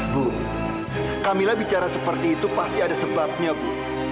bu camilla bicara seperti itu pasti ada sebabnya bu